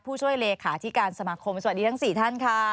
ผู้ช่วยเลขาธิการสมาคมสวัสดีทั้ง๔ท่านค่ะ